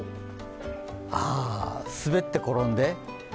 あ、滑って転んで？